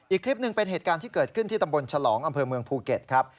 อีกคลิปหนึ่งเป็นเหตุการณ์ที่เกิดขึ้นที่ตำบลฉลองอำเภอเมืองภูเก็ตครับ